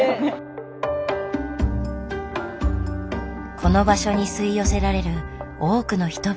この場所に吸い寄せられる多くの人々。